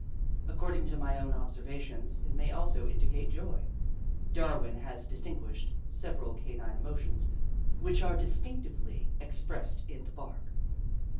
According to my own observa tions, it may also indicate joy. Darwin has dis tincTuished several canine emotions which are distinctively expressed in the bark.